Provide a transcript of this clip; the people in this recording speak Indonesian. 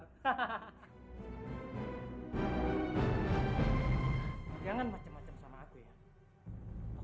hahaha jangan macam macam sama aku ya